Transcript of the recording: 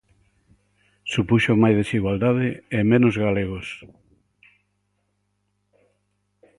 Supuxo máis desigualdade e menos galegos.